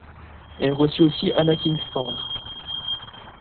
Elle reçut aussi Anna Kingsford.